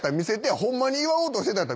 ホンマに祝おうとしてたんやったら見せて。